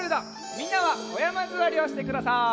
みんなはおやまずわりをしてください。